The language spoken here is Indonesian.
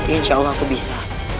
insya allah aku bisa